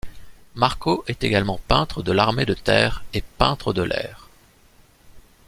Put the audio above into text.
Markó est également peintre de l'Armée de terre et peintre de l'Air.